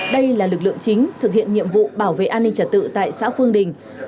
đây là lực lượng chính thực hiện nhiệm vụ bảo vệ an ninh trật tự tại xã phương đình